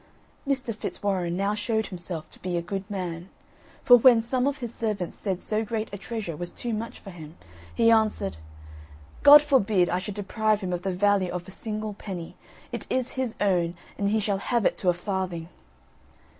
Mr. Fitzwarren now showed himself to be a good man; for when some of his servants said so great a treasure was too much for him, he answered: "God forbid I should deprive him of the value of a single penny, it is his own, and he shall have it to a farthing."